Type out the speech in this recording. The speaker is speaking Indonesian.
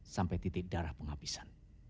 sampai titik darah penghabisan